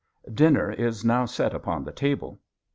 Dinner is now set upon the table.